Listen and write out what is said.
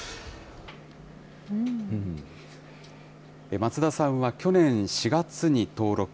松田さんは去年４月に登録。